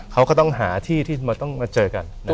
เขาก็ต้องหาที่ที่ต้องมาเจอกัน